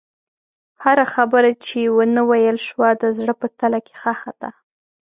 هره خبره چې ونه ویل شوه، د زړه په تله کې ښخ ده.